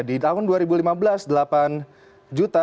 di tahun dua ribu lima belas delapan juta